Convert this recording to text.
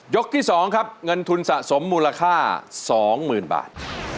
ที่๒ครับเงินทุนสะสมมูลค่า๒๐๐๐บาท